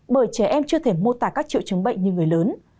bởi trẻ em chưa thể mô tả các triệu chứng bệnh như người lớn